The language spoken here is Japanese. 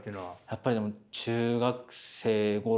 やっぱりでも中学生頃。